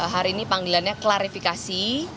hari ini panggilannya klarifikasi